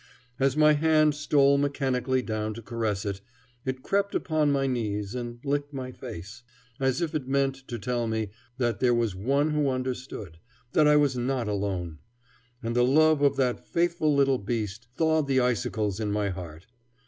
As my hand stole mechanically down to caress it, it crept upon my knees and licked my face, as if it meant to tell me that there was one who understood; that I was not alone. And the love of the faithful little beast thawed the icicles in my heart.